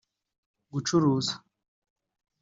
gucuruza